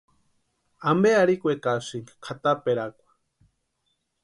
Ampe arhikwekasïnki kʼataperakwa.